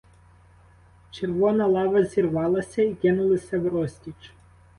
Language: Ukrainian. Червона лава зірвалася і кинулася врозтіч.